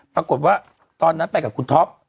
ปรากฏว่าตอนนั้นไปกับคุณท็อป